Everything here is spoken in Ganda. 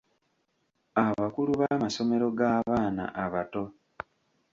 Abakulu b’amasomero g’abaana abato.